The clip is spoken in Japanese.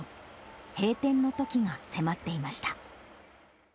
閉店のときが迫っていました。